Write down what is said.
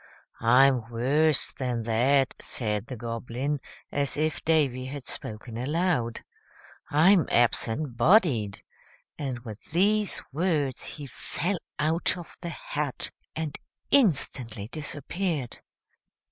"I'm worse than that," said the Goblin, as if Davy had spoken aloud. "I'm absent bodied;" and with these words he fell out of the hat and instantly disappeared.